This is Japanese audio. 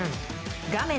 画面